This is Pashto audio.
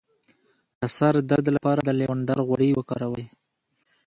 د سر درد لپاره د لیوانډر غوړي وکاروئ